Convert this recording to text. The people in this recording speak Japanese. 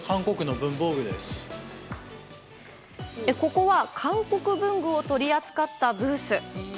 ここは韓国文具を取り扱ったブース。